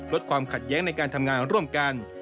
ลดความขัดแย้งในการทำงานร่วมกัน